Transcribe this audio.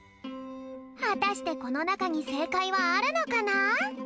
はたしてこのなかにせいかいはあるのかな？